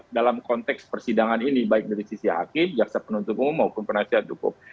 dalam konteks persidangan ini baik dari sisi hakim jaksa penuntut umum maupun penasihat hukum